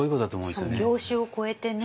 しかも業種を超えてね。